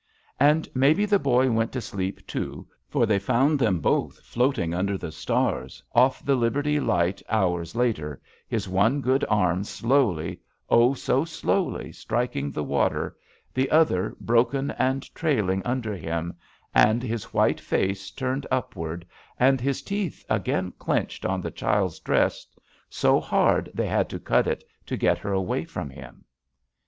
And maybe the boy went to sleep, too, for they found them both floating under the stars off the Liberty Light hours later, his one good arm slowly, oh I so slowly, striking the water, JUST SWEETHEARTS J^ the Other, broken and trailing under him, and his white face turned upward, and his teeth again clenched on the child's dress, so hard they had to cut it to get her away from him."